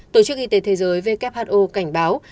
tổ chức y tế thế giới who cảnh báo